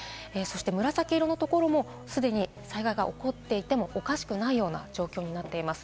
紫色のところも既に災害が起こっていてもおかしくないような状況になっています。